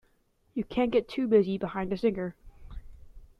You can't get too busy behind a singer.